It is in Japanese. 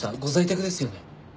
ご在宅ですよね？